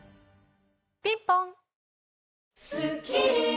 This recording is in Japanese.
ピンポン。